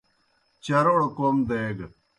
چاروڑ کوْم دیگہ۔